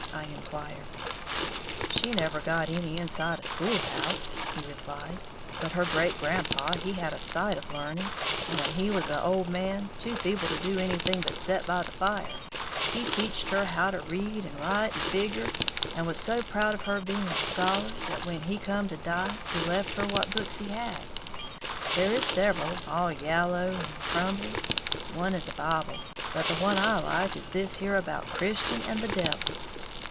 I inquired. "She never got any inside a school house," he replied; "but her great grandpaw he had a sight of learning, and when he was a' old man, too feeble to do anything but set by the fire, he teached her how to read and write and figger, and was so proud of her being a scholar that when he come to die he left her what books he had, there is several, all yallow and crumbly. One is a Bible; but the one I like is this here about Christian and the devils.